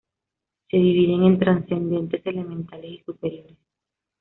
Se dividen en trascendentes elementales y superiores.